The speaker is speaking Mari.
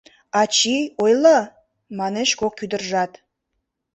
— Ачий, ойло, — манеш кок ӱдыржат.